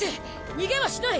逃げはしない！